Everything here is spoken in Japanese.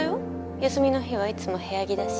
休みの日はいつも部屋着だし。